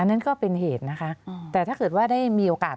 นั่นก็เป็นเหตุนะคะแต่ถ้าเกิดว่าได้มีโอกาส